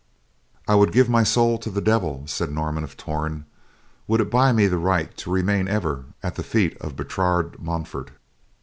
"I would give my soul to the devil," said Norman of Torn, "would it buy me the right to remain ever at the feet of Bertrade Montfort."